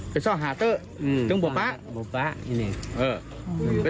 ก็ชอบหาไก่จะได้อยู่ทั้งหมดปะ